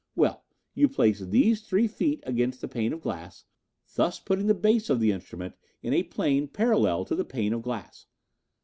Well, you place these three feet against the pane of glass, thus putting the base of the instrument in a plane parallel to the pane of glass.